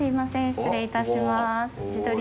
失礼いたします。